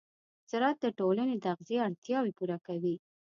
زراعت د ټولنې د تغذیې اړتیاوې پوره کوي.